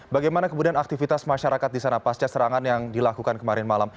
bagaimana kemudian aktivitas masyarakat di sana pasca serangan yang dilakukan kemarin malam